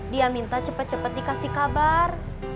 dia minta cepet cepet dikasih kabar